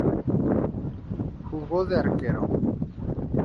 Jugó de arquero.